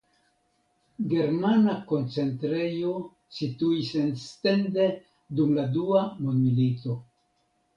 Germana koncentrejo situis en Stende dum la Dua Mondmilito.